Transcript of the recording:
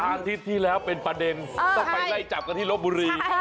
อาทิตย์ที่แล้วเป็นประเด็นต้องไปไล่จับกันที่ลบบุรี